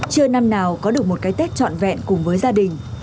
chưa năm nào có được một cái tết trọn vẹn cùng với gia đình